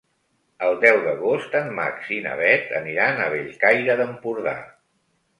El deu d'agost en Max i na Bet aniran a Bellcaire d'Empordà.